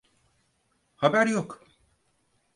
Haber yok.